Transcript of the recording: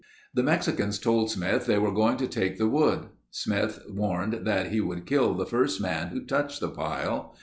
The Mexicans told Smith they were going to take the wood. Smith warned that he would kill the first man who touched the pile.